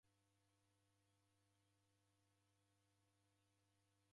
Nevika icho luma lwakenyi.